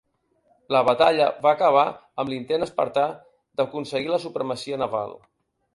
La batalla va acabar amb l'intent espartà d'aconseguir la supremacia naval.